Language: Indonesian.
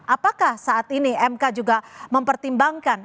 apakah saat ini mk juga mempertimbangkan